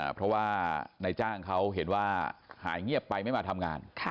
เพราะว่านายจ้างเขาเห็นว่าหายเงียบไปไม่มาทำงาน